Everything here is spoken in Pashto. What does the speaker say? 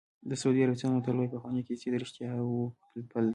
د سعودي عربستان متل وایي پخوانۍ کیسې د رښتیاوو پل دی.